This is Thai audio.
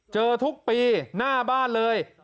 ทุกปีหน้าบ้านเลย